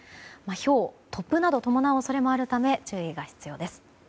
ひょう、突風などを伴う恐れもあるため注意が必要です。